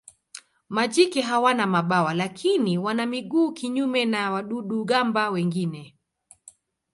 Majike hawana mabawa lakini wana miguu kinyume na wadudu-gamba wengine.